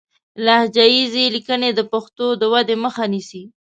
لهجه ييزې ليکنې د پښتو د ودې مخه نيسي